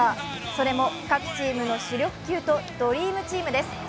それも各チームの主力級とドリームチームです。